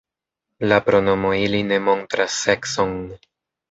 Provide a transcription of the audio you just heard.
La pronomo ili ne montras sekson.